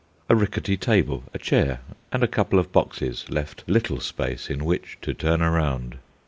A rickety table, a chair, and a couple of boxes left little space in which to turn around.